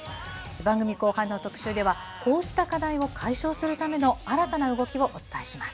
番組後半の特集では、こうした課題を解消するための新たな動きをお伝えします。